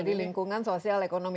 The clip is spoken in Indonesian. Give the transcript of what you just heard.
jadi lingkungan sosial ekonomi